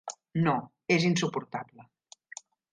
No, és insuportable.